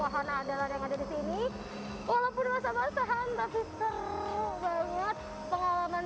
wahana adalah yang ada di sini walaupun masa masa hand resistor banget pengalaman